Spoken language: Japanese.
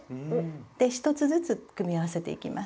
で１つずつ組み合わせていきます。